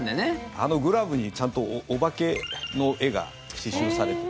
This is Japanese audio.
あのグラブにちゃんとお化けの絵が刺しゅうされて。